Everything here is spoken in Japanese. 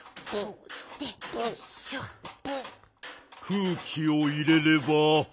空気を入れれば